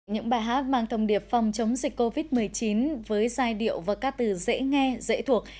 những bài hát mang thông điệp phòng chống dịch covid một mươi chín với giai điệu và các từ dễ nghe dễ thuộc